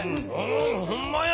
ほんまや。